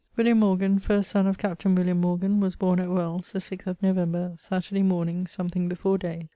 William Morgan, first son of captain William Morgan, was borne at Wells, the 6th of November, Saterday morning, something before day.